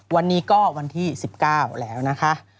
วันนี้ก็วันที่๑๙แล้วนะคะ